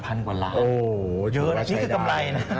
โอ้เยอะนะนี่คือกำไรนะ